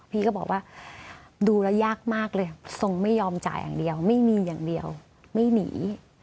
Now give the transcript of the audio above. พี่ก็บอกว่าดูแล้วยากมากเลยทรงไม่ยอมจ่ายอย่างเดียวไม่มีอย่างเดียวไม่หนี